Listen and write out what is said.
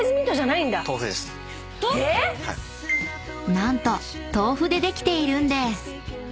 ［何と豆腐でできているんです］